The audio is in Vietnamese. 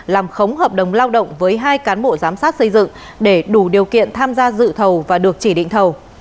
làm khống hợp đồng lao động với hai cán bộ giám sát xây dựng để đủ điều kiện tham gia dự thầu và được chỉ định thầu